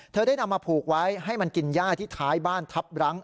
ได้นำมาผูกไว้ให้มันกินย่าที่ท้ายบ้านทัพรั้ง